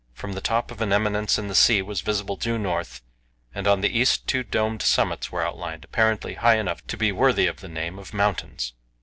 From the top of an eminence the sea was visible due north, and on the east two domed summits were outlined, apparently high enough to be worthy of the name of mountains.